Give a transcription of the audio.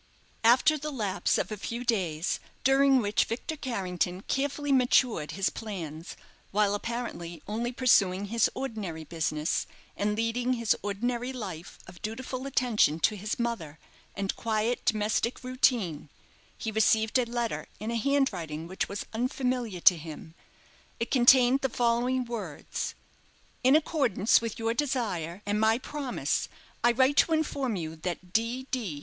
After the lapse of a few days, during which Victor Carrington carefully matured his plans, while apparently only pursuing his ordinary business, and leading his ordinary life of dutiful attention to his mother and quiet domestic routine, he received a letter in a handwriting which was unfamiliar to him. It contained the following words: "_In accordance with your desire, and my promise, I write to inform you that, D. D.